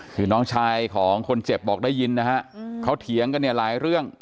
คือน้องชายของคนเจ็บบอกได้ยินนะฮะเขาเถียงกันเนี่ยหลายเรื่อง